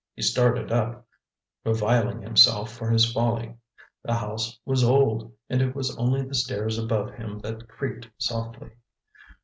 He started up, reviling himself for his folly. The house was old, and it was only the stairs above him that creaked softly.